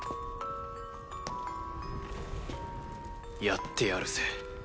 やってやるぜ。